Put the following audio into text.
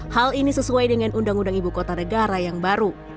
hal ini sesuai dengan undang undang ibu kota negara yang baru